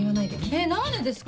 えっ何でですか？